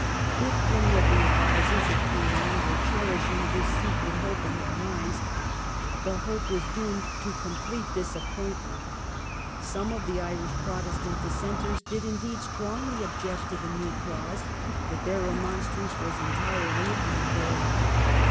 If any of the advisers of Queen Anne were cherishing this secret hope in their miuds the hope was doomed to complete 204 THE REIGN OF QUEEN ANNE. ch. xxx. disappointment. Some of the Irish Protestant dis senters did indeed strongly object to the new clause, but their remonstrance was entirely unavailing.